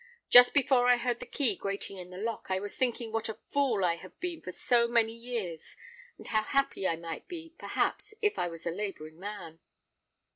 "Just before I heard the key grating in the lock, I was a thinking what a fool I have been for so many years, and how happy I might be, perhaps, if I was a labouring man."